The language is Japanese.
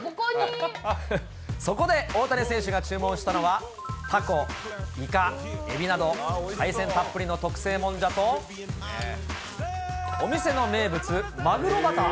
そこで、大谷選手が注文したのは、タコ、イカ、エビなど、海鮮たっぷりの特製もんじゃと、お店の名物、マグロバター。